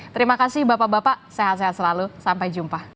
terima kasih bapak bapak sehat sehat selalu sampai jumpa